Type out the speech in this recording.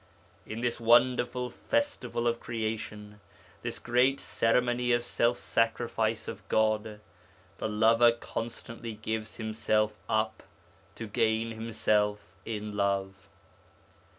'In this wonderful festival of creation, this great ceremony of self sacrifice of God, the lover constantly gives himself up to gain himself in love....